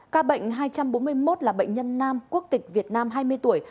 ca bệnh hai trăm bốn mươi một là bệnh nhân nam quốc tịch việt nam hai mươi tuổi